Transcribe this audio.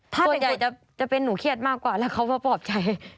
ถ้าส่วนใหญ่จะเป็นหนูเครียดมากกว่าแล้วเขามาปลอบใจ